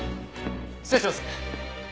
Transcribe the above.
失礼します。